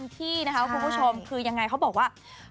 คุณผู้ชมคือยังไงเขาบอกว่า